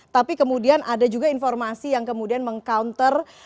tapi kemudian ada juga informasi yang kemudian meng counter